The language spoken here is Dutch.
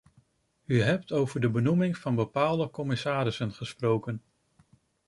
U hebt over de benoeming van bepaalde commissarissen gesproken.